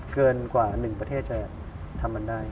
เกินกว่า๑ประเทศจะทำมันได้